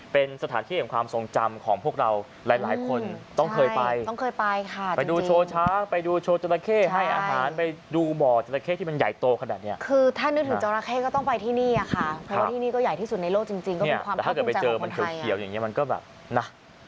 เป็นสถานที่กับความทรงจำของพวกเรา